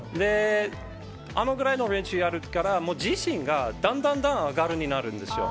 あのぐらいの練習やるから、もう自信がだんだんだんだん上がるになるんですよ。